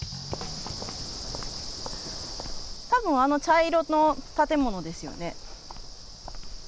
たぶん、あの茶色の建物ですよね。